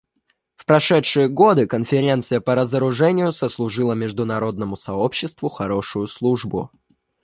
В прошедшие годы Конференция по разоружению сослужила международному сообществу хорошую службу.